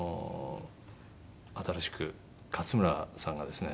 新しく勝村さんがですね。